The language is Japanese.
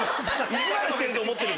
意地悪してると思ってる。